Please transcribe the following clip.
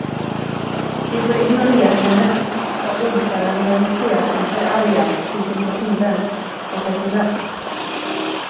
Vi får ignorera henne, sade ordföranden sedan förargad till sin partivän, professor Rasp.